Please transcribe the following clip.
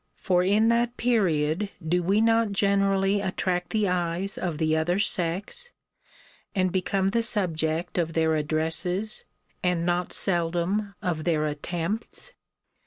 For in that period do we not generally attract the eyes of the other sex, and become the subject of their addresses, and not seldom of their attempts?